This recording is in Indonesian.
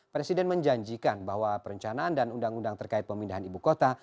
presiden menjanjikan bahwa perencanaan dan undang undang terkait pemindahan ibu kota